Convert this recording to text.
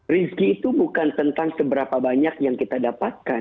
rizki itu bukan tentang seberapa banyak yang kita dapatkan